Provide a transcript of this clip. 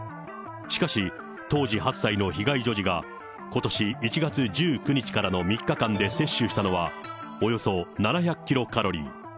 しかし、当時８歳の被害女児が、ことし１月１９日からの３日間で摂取したのはおよそ７００キロカロリー。